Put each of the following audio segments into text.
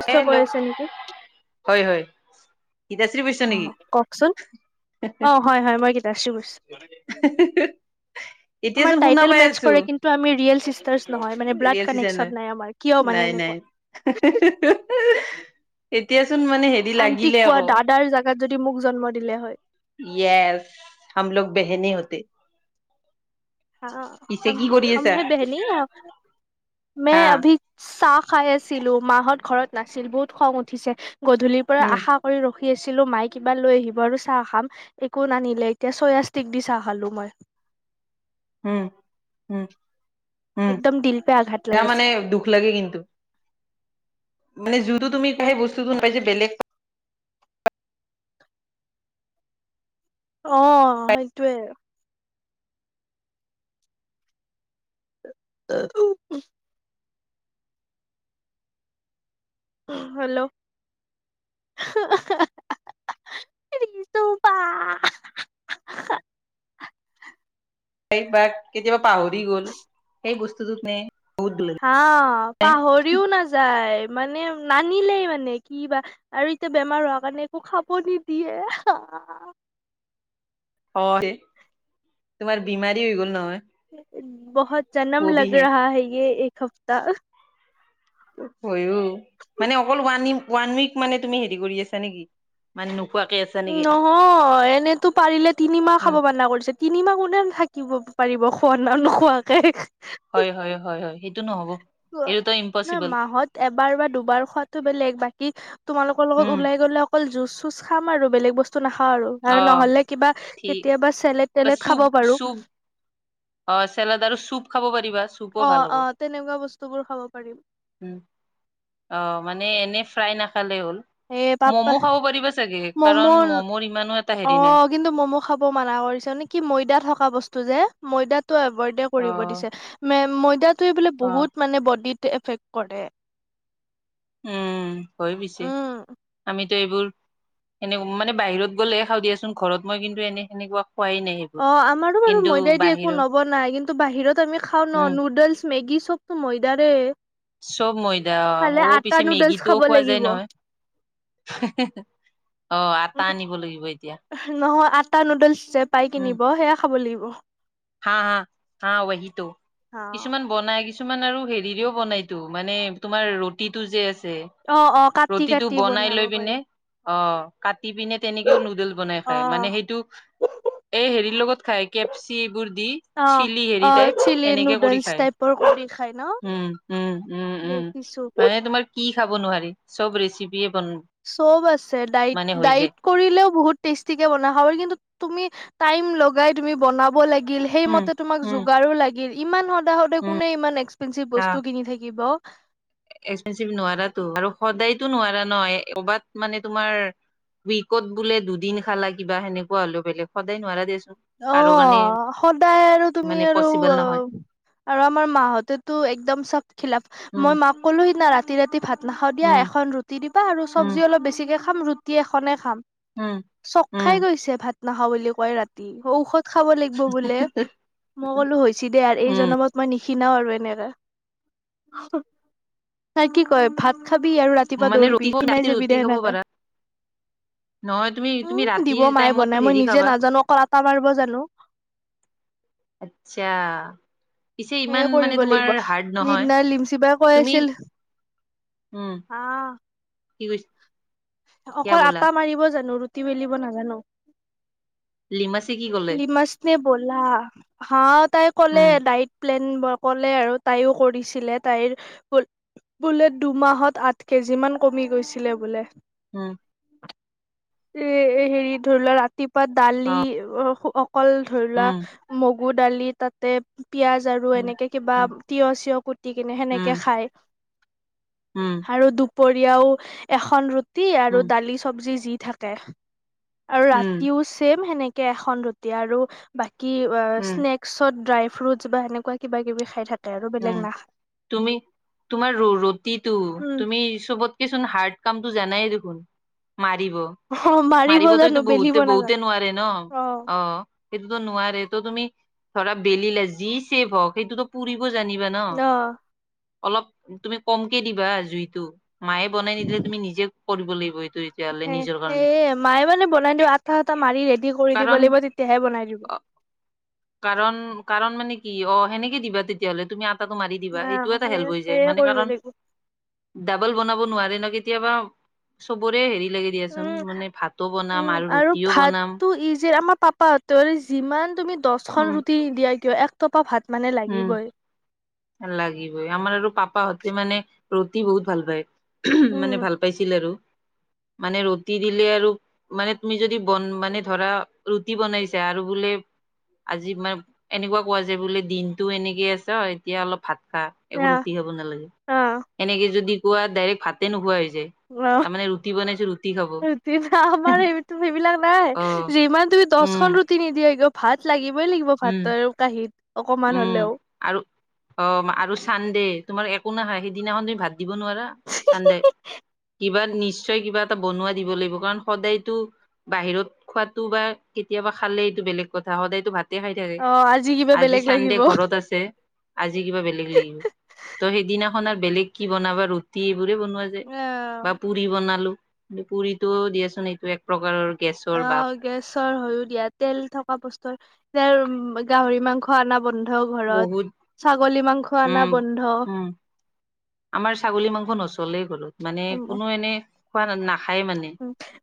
নিশ্চয় হেল্ল', কৈ আছে নেকি? হয় হয় গীতাশ্ৰী বা অহ, কৱকচোন অ হয় হয় মই গীতাশ্ৰী কৈছোঁ। আমাৰ এতিয়াচোন শুনা টাইটেল পাই মেতচ আছো কৰে, কিন্তু আমি ৰিয়েল চিষ্টাৰ্চ নহয় মানে ব্লাড ৰিয়েলচি কানেকচন চেনেল নাই আমাৰ। কিয় মানে নাই নাই। এনেকুৱা। এতিয়াচোন মানে হেৰি আনটি লাগিলে কোৱা আকৌ দাদাৰ জাগাত যদি মোক জন্ম দিলে হয়। ইয়েছ, হামলোগ বেহনে হতে। অ পিছে হম কি হে, কৰি হাম আছা হে বেহেনে। অ হা মে' আভি চাহ খাই আছিলোঁ। মাহঁত ঘৰত নাছিল বহুত খং উঠিছে। গধূলিৰ পৰা উম আশা কৰি ৰখি ৰখি আছিলোঁ মায়ে কিবা লৈ আহিব আৰু চাহ খাম, একো নানিলে। এতিয়া চয়া ষ্টিক দি চাহ খালো মই। উম উম উম, একদম দিল পে আঘাত সেয়া লাগিছে। মানে দুখ লাগে কিন্তু। মানে যোনটো তুমি সেই বস্তুটো নাপাই যদি বেলেগ পা অ সেইটোৱে। অ [unintelligible] হেল্ল', [unintelligible] কেতিয়াবা পাহৰি গ'ল এই বস্তুটো তুমি হা পাহৰিও নাযায়, মানে নানিলেই মানে কি বা আৰু এতিয়া বেমাৰ হোৱাৰ কাৰণে একো খাব নিদিয়ে। হয় তোমাৰ বিমাৰী হৈ গ'ল নহয়। বহত জনম লাগ ববিহে ৰাহা হে য়ে এক হফতা। হয়ো, মানে অকল ৱানী ওৱান উইক মানে তুমি হেৰি কৰি আছা নেকি, মানে নোখোৱাকে আছ- নহয়, এনেইতো পাৰিলে তিনিমাহ উম খাব মানা কৰিছে। তিনিমাহ কোনে থাকিব পাৰিব খোৱা না নোখোৱাকে। হয় হয় হয় হয়, সেইটো নহব। এইটোতো ৱহ ইম্পচিবল মাহত এবাৰ বা দুবাৰ খোৱাতো বেলেগ বা - কি তোমালোকৰ লগত উম ওলাই গ'লে অকল যুঁজ চুজ খাম আৰু বেলেগ বস্তু- নাখাওঁ আৰু, অ আৰু নহলে কিবা ঠিক কেতিয়াবা চেলেড বা তেলেড চুপ খাব পাৰো। চুপ অ চেলাদ আৰু চুপ খাব পাৰিবা। চুপো অ ভাল হ'ব অ তেনেকুৱা বস্তু বোৰ খাব পাৰিম। উম অ মানে এনে ফ্ৰাই নাখালে হ'ল। এ ম'ম পাপা খাব পাৰিবা চাগে কাৰণ ম'ম' ম'মৰ ইমানো এটা অ হেৰি নাই। কিন্তু মম খাব মানা কৰিছে, মানে কি ময়ডা থকা বস্তু যে, ময়ডাটো অভয়ডে অ কৰিব দিছে ময়দাটোৱে বোলে অ বহুত মানে বডিত এফেক্ট কৰে। উম হয় পিছে। উম আমিত তে এইবোৰ এনে মানে বাহিৰত গ'লেহে খাওঁ দিয়াচোন ঘৰত মই কিন্তু এনে সেনেকুৱা খোৱাই নাই। অ আমাৰো বাৰু কিন্তু ময়দাদি একো বাহিৰৰ নবনাই কিন্তু বাহিৰত আমি খাওঁ ন উম নুডলছ, মেগী চব টো ময়দাৰে। চব ময়দা খালে অ আটা পিছে মেগী নুডলছ টোও খাব খোৱা যায় লাগিব নহয়। [unintelligible] অ আটা উম আনিব লাগিব এতিয়া। নহয় আটা নুডলচ যে পাই উম কিনিব সেয়া খাব লাগিব। হা হা হা ৱেহি ত, কিছুমান বনাই কিছুমান আৰু হেৰিৰেও বনাইতো মানে তোমাৰ ৰুটি টো যে আছে অ অ কাটি ৰুটিটো কাটি বনাই বনাব লৈ পাৰি পিনে অ কাটি পিনে তেনেকেও নুডল বনাই খায় মানে অ সেইটো এই হেৰিৰ লগত খায় কেপচি এইবোৰ দি অ চিলি হেৰি অ টাইপ চিলি সেনেকে কৰি নুডলছ খায় টাইপৰ কৰি খায় ন? উম উম উম উম দেখিছো। মানে তোমাৰ কি খাব নোৱাৰি চব ৰেচিপিয়ে বন। চব আছে ডাইট মানে হৈ যায় ডাইট কৰিলেও বহুত টেষ্টিকে বনাই খাব পাৰি, কিন্তু তুমি টাইম লগাই তুমি বনাব লাগিল সেই উম, মতে তোমাক উম, যোগাৰো লাগিল, ইমান সদায় সদে উম, কোনে ইমান এক্সপেঞ্চিভ আহ, বস্তু কিনি থাকিব। এক্সপেঞ্চিভ নোৱাৰাতো আৰু সদায়তো নোৱাৰা ন কবাত মানে তোমাৰ উইকত বোলে দুদিন খালা কিবা সেনেকুৱা হ'লেও বেলেগ সদায় নোৱাৰা দেচোন। অ সদায় আৰু তুমি মানে আৰু পচিবল অ নহয় আৰু আমাৰ মাহতেতো একদম চব খিলাপ। উম, মই মাক ক'লো সিদিনা ৰাতি ৰাতি ভাত নাখাওঁ দিয়া উম, এখন ৰুটি দিবা আৰু উম, চব্জি অলপ বেছিকে খাম ৰুট- ৰুটি এখনে খাম, উম। চক উম, খাই গৈছে ভাত নাখাওঁ বুলি কয় ৰাতি। ঔষধ খাব লাগিব বোলে মই কলো হৈছে দে আৰ এই উম, জনমত মই নিক্ষীণাও আৰু এনেকে। তাই কি কয় ভাত খাবি আৰু ৰাতিপুৱা মানে ৰুটি দৌৰিবি খাব- ৰাতি ক্ষীণাই যাবি ৰুটি দে খাব সেনেকে। পাৰা নহয় তুমি তুমি উম ৰাতিৰ দিব মায়ে টাইমতো বনাই মই হেৰি খাবা নিজে নাজানো অকল আটা মাৰব জানো। আচ্ছা। পিছে সেয়ে ইমান মানে কৰিব তোমাৰ লাগিব, হাৰ্ড নহয় সেইদিনা লিমচি বাই কৈ তুমি আছিল উম, হা কি কৈছ- কিয়া অকল ব'লা আটা মাৰিব জানো ৰুটি বেলিব নাজানো। লিমাচ লিমাচ নে ব'লা হা তাই ক'লে উম, দাইট প্লেন ক'লে আৰু তাইও কৰিছিলে তাইৰ- বোলে দুমাহত আঠ কেজি মান কমি গৈছিলে বোলে। উম। এ হেৰি ধৰি লোৱা ৰাতিপুৱা দালি অ অকল ধৰি লোৱা উম, মগু দালি তাতে পিয়াজ আৰু উম, এনেকে কিবা উম। তিয় চিয়ৰ কুটি কিনে উম, সেনেকে খায়। উম। আৰু দুপৰীয়াও এখন ৰুটি আৰু উম, দালি চবজি যি থাকে। আৰু উম, ৰাতিও ছেম সেনেকে এখন ৰুটি আৰু বাকী উম, স্নেক্ ছত ড্ৰাই ফ্ৰুটছ বা সেনেকুৱা কিবা কিবি খাই থাক- উম তুমি তোমাৰ ৰুটিটো উম তুমি চবতকে চোন হাৰ- কামতো জানাই দেখোন মাৰিব। অ মাৰিব জানো মাৰিবতোইতো বেলিব বহুতে বহুতে নাজানো নোৱাৰে ন অ। সেইটোতো নোৱাৰে তো তুমি ধৰা বেলিলা যি চেভ হওক সেইটোতো পুৰিব জানিবা। ন অ অলপ তুমি কমকে দিবা জুইটো। মায়ে বনাই নিদিলে তুমি নিজে কৰিব লাগিব এইটোৱে। সে মায়ে মানে বনাই দিব আঠা চাঠা মাৰি ৰেডি কৰি দিব কাৰণ লাগিব তেতিয়াহে বনাই দিওঁ। অ, কাৰণ কাৰণ মানে কি অ সেনেকে দিবা তেতিয়াহ'লে তুমি। টো মাৰি দিবা অ', সেইটোও এটা সেই হেল্প হৈ যায় সেয়ে মানে কৰিব কাৰণ। লাগিব ডাবল বনাব নোৱাৰে ন কেতিয়াবা চবৰে হেৰি লাগি- দিয়াচোন, উম, মানে ভাতো বনাম আৰু ৰুটিও বনাম। ই যে আমাৰ পাপা- ত যিমান তুমি দশখন উম ৰুটি নিদিয়া কিয় এক টপা ভাত মানে উম। লাগিবই। লাগিবই, আমাৰ আৰু পাপা হতে মানে ৰুতি বহুত ভাল পায়। মানে উম, ভাল পাইছিল আৰু, মানে ৰুটি দিলে আৰু- মানে তুমি যদি বন মানে ধৰা ৰুটি বনাইছা আৰু বোলে- আজি মানে এনেকুৱা কোৱা যে বোলে দিন- এনেকে আছ এতিয়া অলপ ভাত খা একো অ', ৰুটি খাব নালাগে, অ', এনেকে যদি- কোৱা ডাইৰেক্ট ভাতে নোখোৱা হৈ যায়। অ, তাৰমানে ৰুটি বনাইছো ৰুটি খাব আমাৰ সেই সেইবিলাক নাই অ যিমান তুমি- উম দশখন ৰুটি নিদিয়া কিয় ভাত লাগিবই লাগিব উম। ভাতৰ কাঁহীত অকমান উম হ'লেও। আৰু অ আৰু চানডে তোমাৰ একো নাখায় সেইদিনাখন তুমি ভাত। দিব নোৱাৰা চান্দে কিবা নিচ- নিশ্চয় কিবা এটা বনোৱা দিব লাগিব, কাৰণ সদায়তো- বাহিৰত খোৱাতো বা কেতিয়াবা খালেই এইটো বেলেগ কথা সদায়তো ভাত- ভাতে খাই থাকে, অ', কিবা আজি বেলেগ চানডে লাগিব। ঘৰত আছে। আজি কিবা বেলেগ লাগিব, ত' সেইদিনাখন বেলেগ কি বনাবা। ৰুটি এইবোৰে বনোৱা যায় অ', বা পুৰি বনালো কিন্তু পুৰিতটো দিয়াচোন এইটো এক- প্ৰকাৰৰ গেছৰ বাপ। অ', গেছৰ হৈ দিয়া তেল থকা বস্তুৰ তে গাহৰি মাংস অনা বন্ধ। ন্ধ বহুত ঘৰত ছাগলী মাংস উম অনা বন্ধ। উম আমাৰ ছাগলী মাংস নচলেই ঘৰত, মানে উম, কোনো এনেই খোৱা ন নাখ।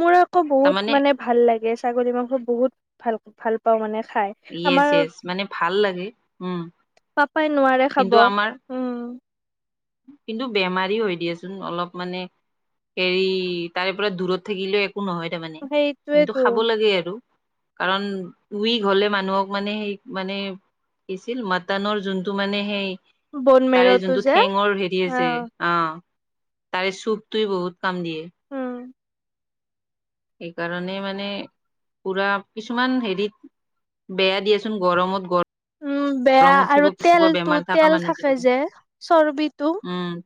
মোৰ আকৌ বহুত মানে ভাল লাগে ছাগলী মাংস বহুত ভাল ভাল পাওঁ মানে খাই। য়েছ আমাৰ য়েছ মানে ভাল লাগে উম। পাপাই নোৱাৰে। খাব কিন্তু আমাৰ- উম কিন্তু বেমাৰী হয় দিয়াচোন অলপ মানে, হেৰি তাৰে পৰা দূৰত থাকিলেও একো নহয় তাৰমানে, কিন্তু সেইটোয়েতো খাব লাগে আৰু। কাৰণ উইক হলে মানুহক মানে সেই মানে- আহিছিল মাটানৰ যোনটো মানে সেই বনমেৰটো যে অ‍ঁ অ তাৰে চুপটো বহুত কাম দিয়ে। উম সেইকাৰণে মানে পুৰা কিছুমান হেৰিত। বেয়া দিয়াচোন গৰমত গৰম উম বেয়া গৰম আৰু উঠিব পচ তেলটো বেমাৰ থকা তেল মানুহ থাকে দিব, যে চৰ্বিটো উম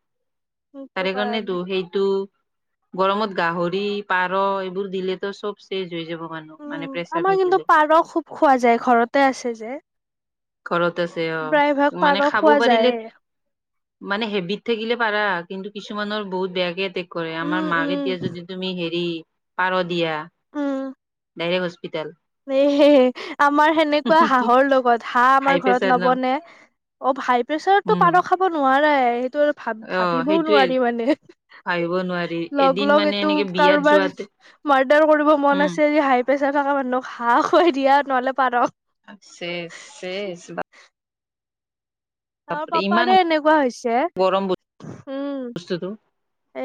সেইটো তাৰে কাৰণে কাৰণেটো সেইটো গৰমত গাহৰি, পাৰ এইবোৰ দিলেতো চব চেজ হৈ যাব মানুহ। মানে উম প্ৰেচাৰ আমাৰ কিন্তু থাকিলে পাৰ খুব খোৱা যায় ঘৰতে আছে যে ঘৰত আছে প্ৰায়ভাগ অ' পাৰ মানে খাব খোৱা পাৰিলে যায়ে মানে হেবিত থাকিলে পাৰা কিন্তু কিছুমানৰ বহুত বেয়াকে এটেক কৰে উম আমাৰ উম মাক এতিয়া যদি তুমি হেৰি পাৰ দিয়া, ডাইৰেক্ট হস্পিতেল এহে আমাৰ সেনেকুৱা হাঁহৰ লগত হাঁহ হাই আমাৰ ঘৰত প্ৰেচাৰ ন নবনে, অ' হাই প্ৰেচাৰতটো উম পাৰ খাব নোৱাৰে সেইটো ভাব অ ভাবিবও সেইটোয়ে নোৱাৰি মানে ভাবিব নোৱাৰি এদিন লগ-লগ মানে এইটো এনেকে বিয়াত কাৰোবাৰ যোৱাতে মাৰ্ডাৰ কৰিব মন উম আছে যদি হাইপ্ৰেছাৰ থকা মানুহক হাঁহ খুৱাই দিয়া নহ'লে, পাৰ। চেষ-চেষ আমাৰ ইমান পাপাৰে এনেকুৱা হৈছে, উম [unintelligible] টো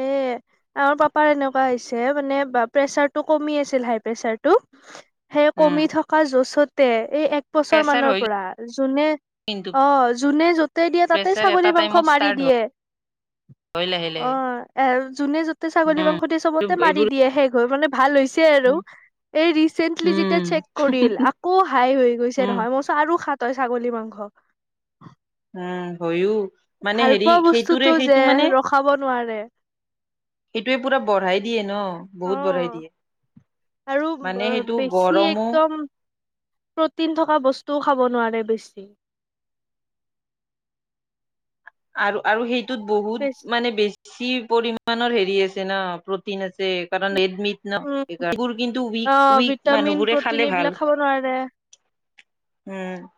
এ আমাৰ পাপাৰ এনেকুৱা হৈছে মানে প্ৰেচাৰটো কমি আছিল হাই প্ৰেচাৰটো সেই উম কমি থকা জচতে এই এক বছৰ প্ৰেচাৰ মানৰ হয় পৰা যোনে কিন্তু অ' যোনে য'তে দিয়ে তাতে প্ৰেচাৰ এটা ছাগলী মাংস টাইমত মাৰি ষ্টাৰ্ট দিয়ে। হয় লাহে লাহে অ' এ যোনে য'তে ছাগলী মাংস চবতে মাৰি এইবোৰ দিয়ে শেষৰ মানে ভাল হৈছে আৰু উম এই ৰিচেন্টলি উম যেতিয়া চেক কৰি উম আকৌ হাই হৈ গৈছে উম নহয় মই কৈছোঁ আৰু খা তই ছাগলী মাংস। উম হয়ো মানে হেৰি সেইটোৰে সেইটো মানে খাব নোৱাৰে। সেইটোৱে পুৰা বঢ়াই দিয়ে ন' অ বহুত বঢ়াই দিয়ে। আৰু মানে সেইটো বেছি গৰমো একদম প্ৰ'টিন থকা বস্তুও খাব নোৱাৰে বেছি। আৰু-আৰু সেইটোত বহুত বেছি মানে বেছি বেছি পৰিমাণৰ হেৰি আছে ন' প্ৰটিন আছে। কাৰণ ৰেডমিট ন' উম সেইকাৰণে, এইবোৰ কিন্তু অ উইক-উইক ভিটামিন মানুহবোৰে প্ৰটিন খালে এইবিলাক ভাল। খাব নোৱাৰে উম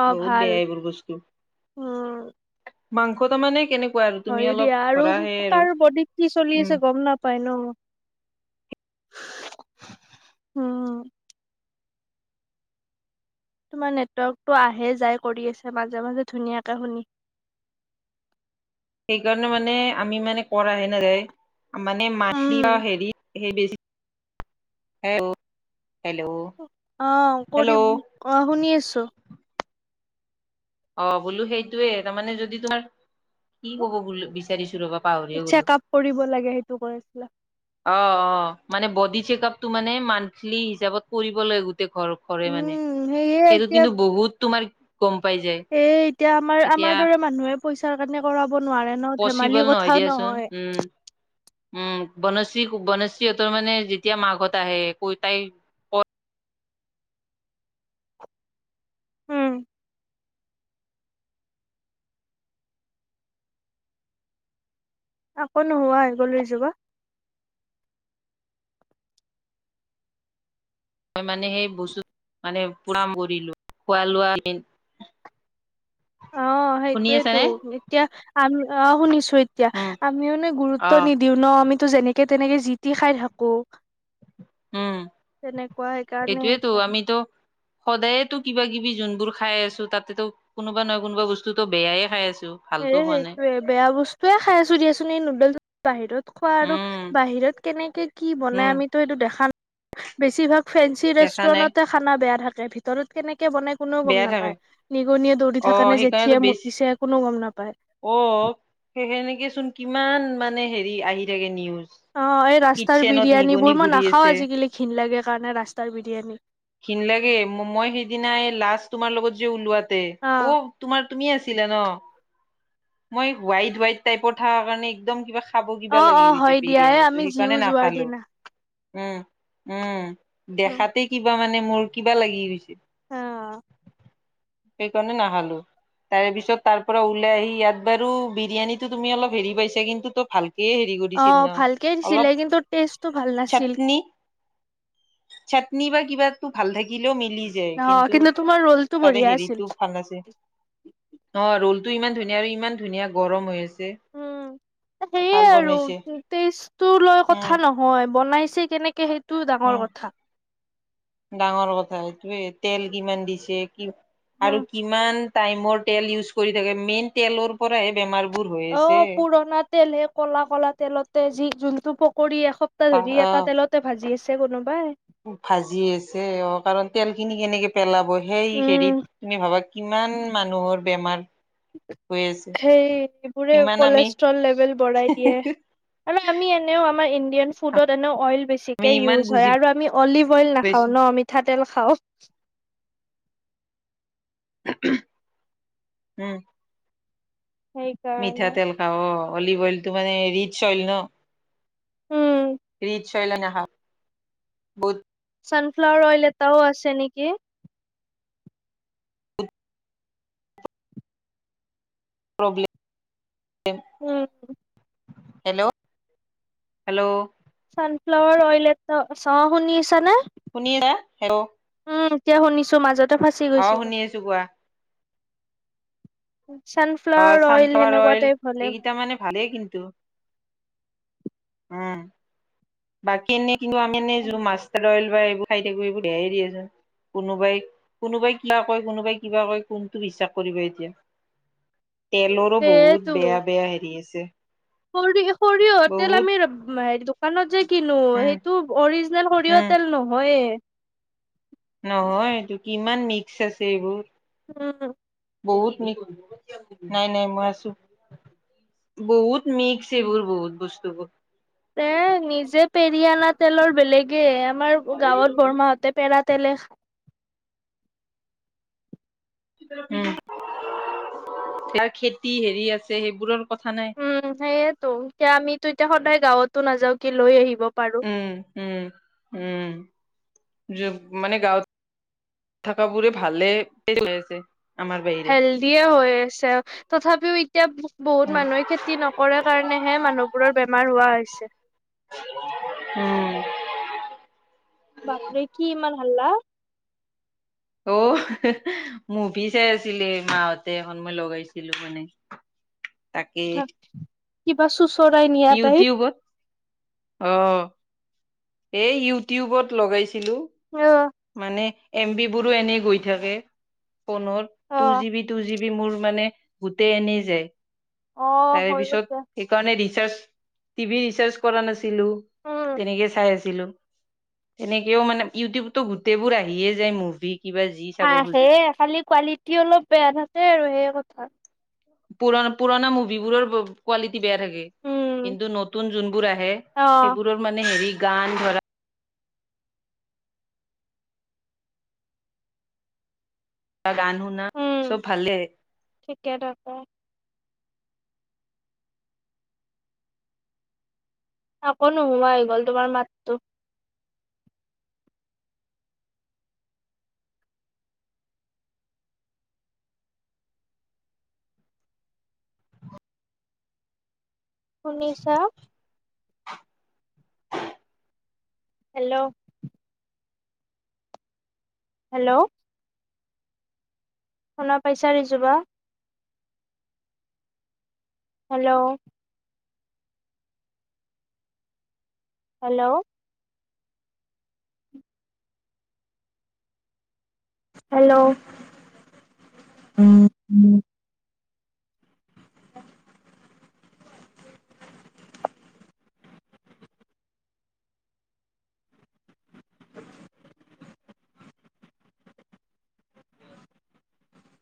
অ বহুত ভাল বেয়া এইবোৰ বস্তু, উম মাংস তাৰ মানে কেনে হয়ো দিয়া আৰু কাৰো বডিত কি চলি উম আছে গম নাপায় ন' হুম তোমাৰ নেটৱৰ্কটো আহে যায় কৰি আছে মাজে- মাজে ধুনীয়াকে শুনি সেইকাৰণে মানে আমি মানে কৰা হে নাযায় মানে মাটি বা উম। হেৰি [inaudible] হেল হেল্ল' অ' হেল্ল' কৰিম অ' শুনি আছোঁ। অ' বোলো সেইটোৱে তাৰমানে যদি তোমাৰ, কি ক'ব বোল বিচাৰিছোঁ ৰবা পাহৰিয়ে গলো চেক আপ কৰিব লাগে সেইটো কৈ আছিলা। অ'-অ' মানে বডি চেকআপটো মানে মাণ্ঠলি হিচাপত কৰিব লাগ গোটে ঘৰ কৰে মানে উম, সেয়ে সেইটো কিন্তু বহুত তোমাৰ গম পাই যায়। সেই এতিয়া এতিয়া আমাৰ-আমাৰ দৰে মানুহে পইচাৰ কাৰণে কৰাব নোৱাৰে। ন ধেমালি পচিবল নহয় কথাও দিয়াচোন, উম। উম বনশ্ৰী-বনশ্ৰীহঁতৰ মানে যেতিয়া মাকহত আহে ক তাই উম আকৌ নোহোৱা হৈ গ'ল এই যেগা। মই মানে সেই বস্তু [unintelligible] মানে পুৰা মৰিলো [unintelligible] খোৱা লোৱা অ' শুনি সেইটোৱেটো আছানে? এতিয়া আমি অ' শুনিছো এতিয়া উম, আমিও ন' গুৰুত্ব অ', নিদি দিও ন' আমিতো যেনেকে তেনেকে জিতি খাই থাকোঁ উম সেইকাৰণে সেইটোৱে তো হৈছে। আমি ত সদায় তো কিবা কিবি যোনবোৰ খাই আছো তাতে টো কোনোবা নহয় কোনোবা বস্তুতো বেয়ায়ে খাই আছো সে ভালতো হোৱা নাই। সেইটোয়ে বেয়া বস্তুৱে খাই আছো দিয়াচোন এই নুডল বাহিৰত খোৱা আৰু উম, বাহিৰত কেনেকে কি বনাই উম, আমিতো সেটো দেখা না বেছিভাগ ফেঞ্চি দেখা নাই ৰেষ্টুৰেন্টতে খানা বেয়া থাকে ভিতৰত কেনেকে বনাই কোনেও গম বেয়া থাকে নাপায় নিগনিয়ে দৌৰি থাকে অ', নে জেঠিয়ে সেইকাৰণেতো বেছি মুতিছে কোনেও গম নাপায় অ সেই সেনেকে চোন কিমান মানে হেৰি আহি থাকে নিউজ। অ এই ৰাস্তাৰ কিটচেনত বিৰিয়ানী নিগনি বোৰ মই ঘূৰি নাখাও আছে। আজিকালি ঘিন লাগে কাৰণে ৰাস্তাৰ বিৰিয়ানী। ঘিন লাগে ম মই সেইদিনাই লাষ্ট তোমাৰ লগত যে ওলোৱাতে অ তোমাৰ তুমি আছিলা ন মই হোৱাইট হোৱাইট টাইপ থাকা কাৰণে একদম কিবা খাব কিবা অ লাগি অ গৈছে হয় দিয়া এ বিৰিয়ানীটো আমি জিও সেইকাৰণে যোৱাৰ নাখালো। দিনা উম উম দেখাতে কিবা মানে মোৰ কিবা লাগি গৈছে। অ সেইকাৰণে নাহালো। তাৰ পিছত তাৰ পৰা ওলাই আহি ইয়াত বাৰু বিৰিয়ানী তুমি অলপ হেৰি পাইছা কিন্তু তো ভাল হিয়ে হেৰি অ কৰিছিল ন ভালকে দিছিলে অলপ কিন্তু টেষ্টটো ভাল নাছিল চাটনি। চাটনি বা কিবাটো ভাল থাকিলেও মিলি অ কিন্তু তোমাৰ ৰল তাৰে হেৰিটো ভান আছে। অ ৰোল টো ইমান ধুনীয়া আৰু ইমান ধুনীয়া গৰম হৈ আছে। উম সেয়ে ভাল আৰু বনাইছে তেইছ টো লৈ উম কথা ন হয় বনাইছে কেনেকে? সেইট উম ডাঙৰ কথা এইটোৱে তেল কিমান দিছে কি আৰু উম, কিমান টাইমৰ তেল ইউজ কৰি থাকে মেইন তেলৰ পৰাহে বেমাৰ বোৰ হৈ অ আছে। পুৰণা তেল হে কলা কলা তেলতে জিক যোনটো পকৰি আ তাৰ ধৰি এটা অ তেলতে ভাজি আছে কোনোবাই। ভাজি আছে অ কাৰণ তেল খিনি কেনেকে পেলাব সেই হেৰিত উম তুমি ভাবা কিমান মানুহৰ বেমাৰ। হৈ আছে সেইবোৰে ইমান আমি কলেষ্ট্ৰল লেভেল বঢ়াই দিয়ে। আৰু আমি এনেও আমাৰ ইণ্ডিয়ান ফুডত এনেও অইল বেছ আমি বেছিকে ইমান ইউজ বুজি হয় আৰু আমি অলিভ অইল নাখাও পাইছো ন মিঠাতেল খাওঁ। [unintelligible] উম সেই মিঠাতেল খাব অ অলিভ অইলটো মানে ৰিচ অইল ন। উম ৰিছ অইলে নখাওঁ বহুত চানফ্লাৱাৰ অইল এটাও আছে নিকি? প্ৰব্লেম উম [unintelligible] হেলৌ' হেল্ল'! চানফ্লাৱাৰ অইল এটা আছে শুনিছা নে? শুনিছা হেল্ল উম এতিয়া শুনিছো মাজত অ শুনি আছো কোৱা। ছানফ্লাৱাৰ অইল চানফ্লাৱাৰ সেনেকুৱা টাইপ হলে এইকেইটা মানে ভালেই কিন্তু। উম বাকী এনে কিন্তু আমি এনে যো মাষ্টাৰ্ অইল বা এইবোৰ খাই থাকো সেইবোৰ দেই দিয়াচোন কোনোবাই কোনোবাই কিবা কয় কোনোবাই কিবা কয় কোনটো বিশ্বাস কৰিবা এতিয়া তেলৰো সেইটো বহুত বেয়া বেয়া হেৰি আছে সৰিয় সৰিয়হ তেল বহুত ৰব মাৰি দোক দোকানত যে কিনো উম সেইটো অৰিজিনেল সৰিয়হ উম তেল নহয়ে। নহয় এইটো কিমান মিক্স আছে এইবোৰ। উম। বহুত মি [unintelligible] নাই নাই মই আছো। বহুত মিক্স এইবোৰ বহুত বস্তুবোৰ। এ নিজে পেৰিয়ানা তেলৰ বেলেগে আমাৰ গাঁৱত বৰমাহতে পেৰা তেলে খা উ [unintelligible] ইয়াৰ খেতি হেৰি আছে সেইবোৰৰ কথা নাই। উম সেইয়েতো এতিয়া আমিতো এতিয়া সদায় গাঁৱতো নাযাওঁ কি লৈ আহিব পাৰো। উ উম উম মানে গাঁওত থাকা বুৰে ভালে হৈছে। হেলডিয়ে হৈ আছে তথাপিও এতিয়া বহুত উম মানুহে খেতি নক- কৰে কাৰণেহে মানুহবোৰৰ বেমাৰ হোৱা হৈছে। উম বাপৰে কি ইমান হাল্লা অ মুভি চাই আছিলে মাহতে এখন মই লগাইছিলো মানে [inaudible] কিবা চুচৰাই নিয়া টাইপ ইউটিউবত অ এই ইউটিউবত লগাইছিলো অ মানে এম বি বোৰো এনে গৈ থাকে ফোনৰ টু অ জি বি, টু জি ব- মোৰ মানে গোটেই এনেই যায়। অ তাৰে হৈ পিছত গৈছে সেইকাৰণে ৰিচাৰ্জ টিভি ৰিচাৰ্জ কৰা নাছিলো উম তেনেকে চাই ছিলো। তেনেকেও মানে ইউটিউবটো গোটেইবোৰ আহিয়ে যায় মুভি কিবা যি চাব হাসে খোজে খালি কোৱালিটি অলপ বেয়া থাকে আৰু সেই কথা। পুৰনা পুৰণা মুভিবোৰৰ কোৱালিটি বেয়া থাকে। উম কিন্তু নতুন যোনবোৰ আহে অ সেইবোৰৰ মানে হেৰি গান ধৰা গান শুনা উম চব ভালেই ঠিকে দৰকাৰ আকৌ নোহোৱা হৈ গ'ল তোমাৰ মাততো শুনিছা? হেল্ল' হেল্ল' শুনা পইচা ৰিজো বা? হেল্ল' হেল্ল' হেল্ল' উম [inaudible]